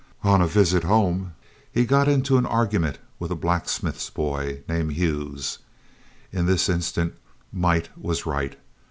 On a visit home he got into an argument with a blacksmith's boy, named Hughes. In this instance, might was right.